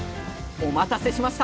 お待たせしました！